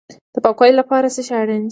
د پاکوالي لپاره څه شی اړین دی؟